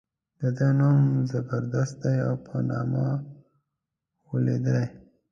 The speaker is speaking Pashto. د ده نوم زبردست دی او په نامه غولېدلی.